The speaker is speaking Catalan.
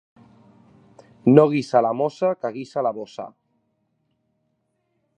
No guisa la mossa, que guisa la bossa.